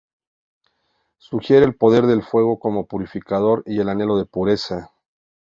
Sugiere el poder del fuego como purificador y el anhelo de pureza.